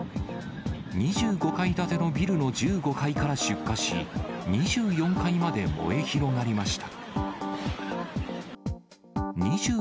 ２５階建てのビルの１５階から出火し、２４階まで燃え広がりました。